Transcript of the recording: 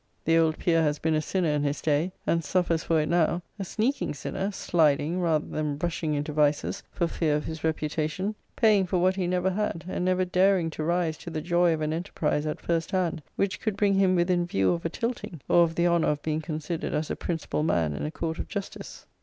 The old peer has been a sinner in his day, and suffers for it now: a sneaking sinner, sliding, rather than rushing into vices, for fear of his reputation. Paying for what he never had, and never daring to rise to the joy of an enterprise at first hand, which could bring him within view of a tilting, or of the honour of being considered as a principal man in a court of justice.